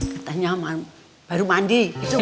katanya baru mandi